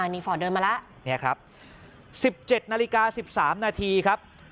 นี่ฟอร์ตเดินมาแล้วเนี่ยครับ๑๗นาฬิกา๑๓นาทีครับ